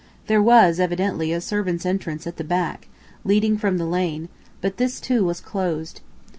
There was evidently a servants' entrance at the back, leading from the lane, but this too was closed.